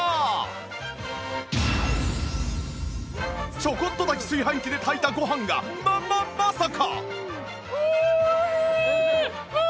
ちょこっと炊き炊飯器で炊いたご飯がまままさか！